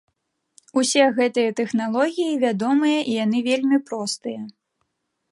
Усе гэтыя тэхналогіі вядомыя і яны вельмі простыя.